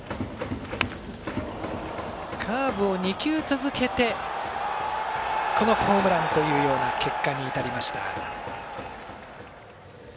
カーブを２球続けてこのホームランというような結果に至りました。